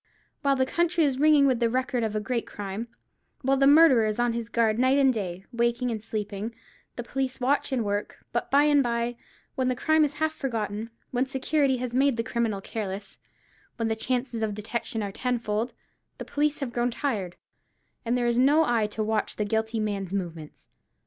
While the country is ringing with the record of a great crime—while the murderer is on his guard night and day, waking and sleeping—the police watch and work: but by and by, when the crime is half forgotten—when security has made the criminal careless—when the chances of detection are ten fold—the police have grown tired, and there is no eye to watch the guilty man's movements.